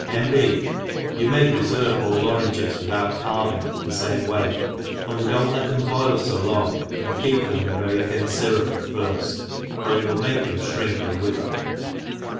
iV. B. You may preferve whole oranges. wiih < out carving the lame way, only do not let them boil fo long, and keep them in a very thin fyrup at lirfl, or it will make them, fhcink an4 weather.